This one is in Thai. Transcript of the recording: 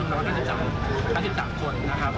พลุน๑๓คน